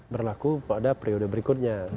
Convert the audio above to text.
berlaku pada periode berikutnya